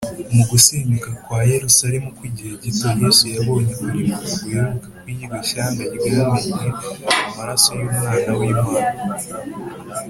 mu gusenyuka kwa yerusalemu kw’igihe gito, yesu yabonye kurimbuka guheruka kw’iryo shyanga ryamennye amaraso y’umwana w’imana